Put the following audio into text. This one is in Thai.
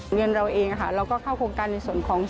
เงินเราเองเราก็เข้าโครงการในส่วนของ